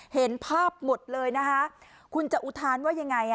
เห็นภาพหมดเลยนะคะคุณจะอุทานว่ายังไง